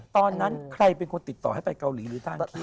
ตอนนั้นใครเป็นคนติดต่อให้ไปเกาหลีหรือตั้ง